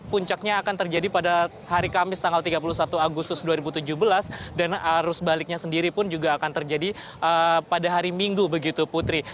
puncaknya akan terjadi pada hari kamis tanggal tiga puluh satu agustus dua ribu tujuh belas dan arus baliknya sendiri pun juga akan terjadi pada hari minggu begitu putri